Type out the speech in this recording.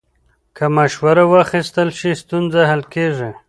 که مشوره واخیستل شي، ستونزه حل کېږي.